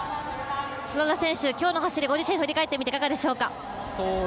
砂田選手、今日の走りご自身振り返っていかがでしょうか？